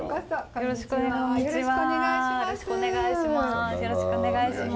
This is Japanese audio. よろしくお願いします。